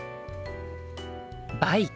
バイク。